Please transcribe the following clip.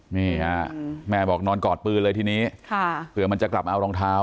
แม่บอกนอนกอดปืนเลยทีนี้เผื่อมันจะกลับมาเอารองเท้า